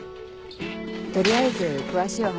取りあえず詳しいお話